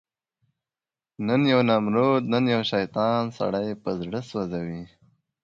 نن یو نمرود، نن یو شیطان، سړی په زړه وسوځي